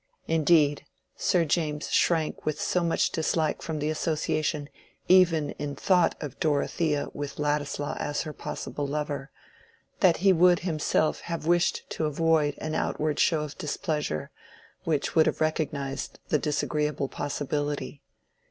Indeed, Sir James shrank with so much dislike from the association even in thought of Dorothea with Ladislaw as her possible lover, that he would himself have wished to avoid an outward show of displeasure which would have recognized the disagreeable possibility.